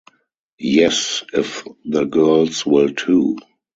Yes, if the girls will too.